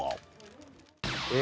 え？